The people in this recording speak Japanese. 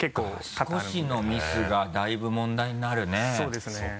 そうか少しのミスがだいぶ問題になるねそうですね。